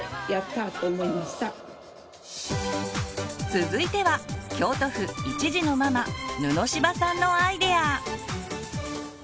続いては京都府１児のママ布柴さんのアイデア！